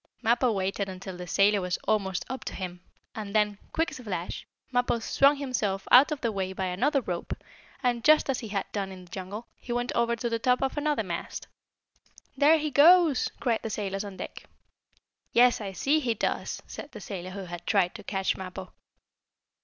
Mappo waited until the sailor was almost up to him, and then, quick as a flash, Mappo swung himself out of the way by another rope, and, just as he had done in the jungle, he went over to the top of another mast. "There he goes!" cried the sailors on deck. "Yes, I see he does," said the sailor who had tried to catch Mappo.